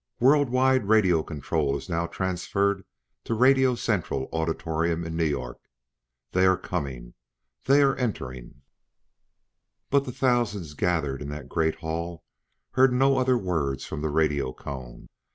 World wide radio control is now transferred to Radio central Auditorium in New York! They are coming! They are entering!" But the thousands gathered in that great hall heard no other words from the radiocone.